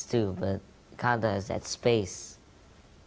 tapi countdown itu berada di ruang